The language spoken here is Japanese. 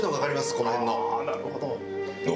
この辺の。